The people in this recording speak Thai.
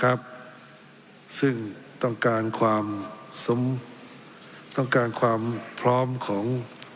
ครับซึ่งต้องการความสมต้องการความพร้อมของ